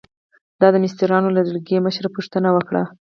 ما د مستریانو له ډلګۍ مشره پوښتنه وکړه.